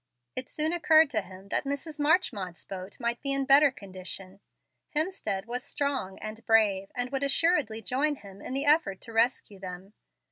It soon occurred to him that Mrs. Marchmont's boat might be in better condition. Hemstead was strong and brave, and would assuredly join him in the effort to rescue them.